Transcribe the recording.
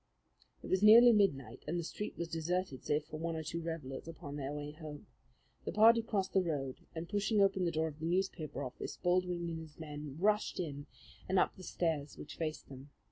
It was nearly midnight, and the street was deserted save for one or two revellers upon their way home. The party crossed the road, and, pushing open the door of the newspaper office, Baldwin and his men rushed in and up the stair which faced them.